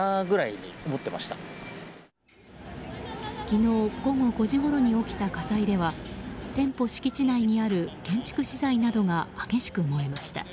昨日午後５時ごろに起きた火災では店舗敷地内にある建築資材などが激しく燃えました。